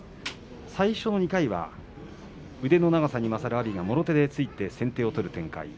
最初の２回は腕の長さに勝る阿炎がもろ手で突いて先手を取る展開。